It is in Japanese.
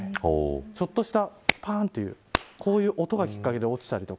ちょっとしたパンという、こういう音がきっかけで起きたりとか。